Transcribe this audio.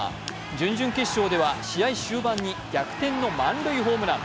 準々決勝では試合終盤に逆転の満塁ホームラン。